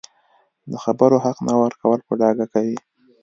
د خبرو حق نه ورکول په ډاګه کوي